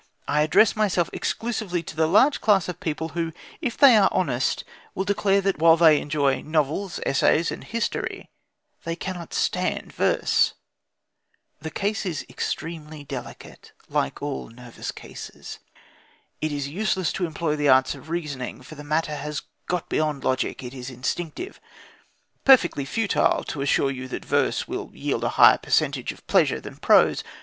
I address myself exclusively to the large class of people who, if they are honest, will declare that, while they enjoy novels, essays, and history, they cannot "stand" verse. The case is extremely delicate, like all nervous cases. It is useless to employ the arts of reasoning, for the matter has got beyond logic; it is instinctive. Perfectly futile to assure you that verse will yield a higher percentage of pleasure than prose!